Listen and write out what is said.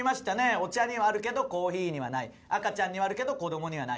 「お茶にはあるけどコーヒーにはない」「赤ちゃんにはあるけど子どもにはない」